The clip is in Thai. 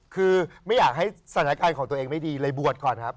คือไม่อยากให้สถานการณ์ของตัวเองไม่ดีเลยบวชก่อนครับ